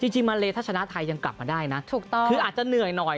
จริงมาเลถ้าชนะไทยยังกลับมาได้นะถูกต้องคืออาจจะเหนื่อยหน่อย